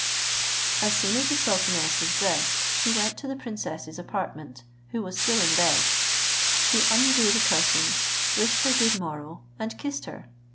As soon as the sultaness was dressed, she went to the princess's apartment, who was still in bed. She undrew the curtain, wished her good morrow, and kissed her.